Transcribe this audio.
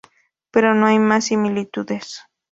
Pero no hay más similitudes.